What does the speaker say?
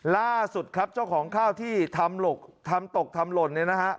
ล่าสุดครับเจ้าของข้าวที่ทำหลกทำตกทำหล่นนี่นะครับ